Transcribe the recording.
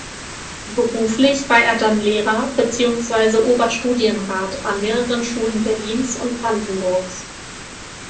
Beruflich war er dann Lehrer beziehungsweise Oberstudienrat an mehreren Schulen Berlins und Brandenburgs.